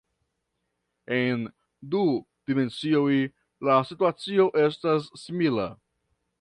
En du dimensioj la situacio estas simila.